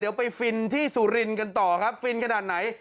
เดี๋ยวไปฟินที่สุรินทร์กันต่อครับฟินขนาดไหน